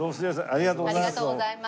ありがとうございますどうも。